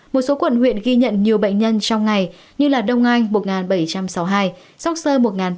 một số quận huyện ghi nhận nhiều bệnh nhân trong ngày như đông anh một bảy trăm sáu mươi hai sóc sơ một bảy trăm sáu mươi ba